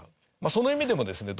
その意味でもですね